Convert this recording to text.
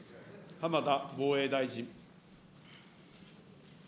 浜田防衛大臣。